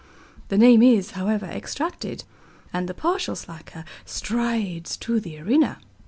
The name is, however, extracted, and the partial slacker strides to the arena.